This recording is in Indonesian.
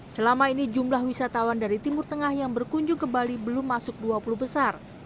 selama ini jumlah wisatawan dari timur tengah yang berkunjung ke bali belum masuk dua puluh besar